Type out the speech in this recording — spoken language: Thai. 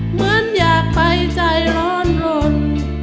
เหมือนอยากไปใจร้อนรน